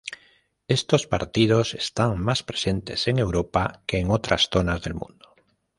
Estos partidos están más presentes en Europa que en otras zonas del mundo.